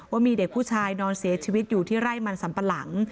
ว่ามีเด็กผู้ชายนอนเสียชีวิตอยู่ที่ไร่มันสัมปะหลัง